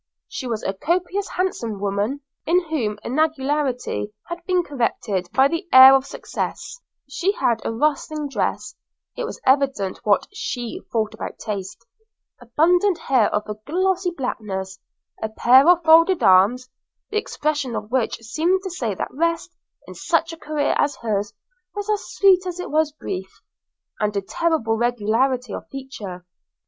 She was a copious, handsome woman, in whom angularity had been corrected by the air of success; she had a rustling dress (it was evident what she thought about taste), abundant hair of a glossy blackness, a pair of folded arms, the expression of which seemed to say that rest, in such a career as hers, was as sweet as it was brief, and a terrible regularity of feature.